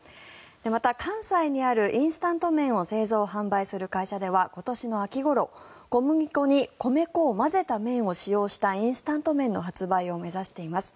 また関西にあるインスタント麺を製造・販売する会社では今年の秋ごろ小麦粉に米粉を混ぜた麺を使用したインスタント麺の発売を目指しています。